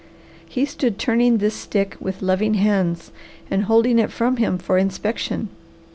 He stood turning this stick with loving hands and holding it from him for inspection.